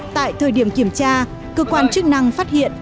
tại thời điểm kiểm tra cơ quan chức năng phát hiện